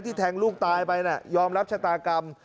แทงลูกตายไปยอมรับชะตากรรม